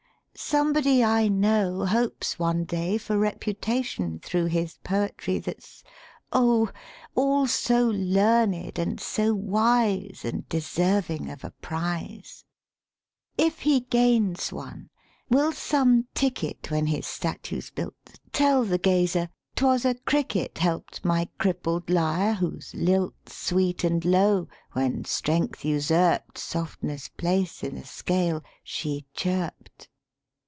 Somebody I know Hopes one day for reputation Thro' his poetry that's oh, All so learned and so wise And deserving of a prize! 211 THE SPEAKING VOICE XV If he gains one, will some ticket, When his statue's built, Tell the gazer ' 'Twas a cricket Helped my crippled lyre, whose lilt Sweet and low, when strength usurped Softness' place i' the scale, she chirped?